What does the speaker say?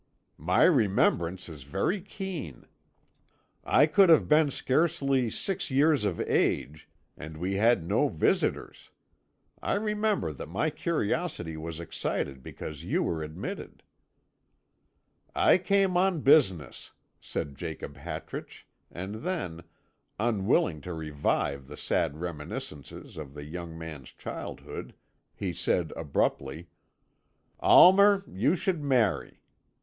"My remembrance is very keen. I could have been scarcely six years of age, and we had no visitors. I remember that my curiosity was excited because you were admitted." "I came on business," said Jacob Hartrich, and then, unwilling to revive the sad reminiscences of the young man's childhood, he said abruptly: "Almer, you should marry."